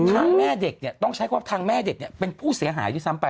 แม่เด็กเนี่ยต้องใช้ความทางแม่เด็กเป็นผู้เสียหายด้วยซ้ำไป